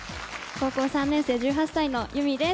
高校３年生１８歳の結海です。